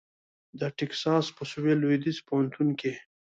د ټیکساس په سوېل لوېدیځ پوهنتون کې